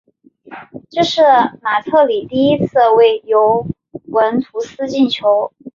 这是马特里第一次为尤文图斯进球。